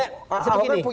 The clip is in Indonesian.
pada saat posisi pemimpin